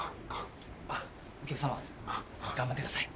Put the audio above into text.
お客様頑張ってください。